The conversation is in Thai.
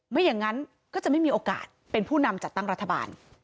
ไม่อย่างนั้นก็จะไม่มีโอกาสเป็นผู้นำจัดตั้งรัฐบาล